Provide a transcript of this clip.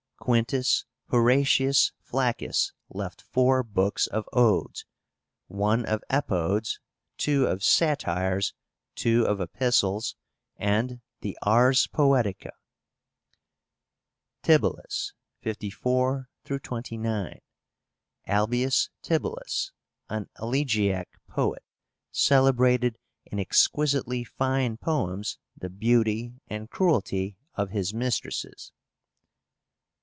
QUINTUS HORATIUS FLACCUS left four books of Odes, one of Epodes, two of Satires, two of Epistles, and the Ars Poetica. (See page 180.) TIBULLUS (54 29). ALBIUS TIBULLUS, an elegiac poet, celebrated in exquisitely fine poems the beauty and cruelty of his mistresses.